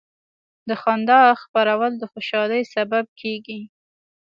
د خندا خپرول د خوشحالۍ سبب کېږي.